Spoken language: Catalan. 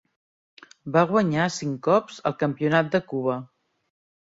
Va guanyar cinc cops el campionat de Cuba.